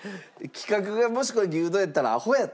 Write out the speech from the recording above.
企画がもしこれ牛丼やったらアホやと？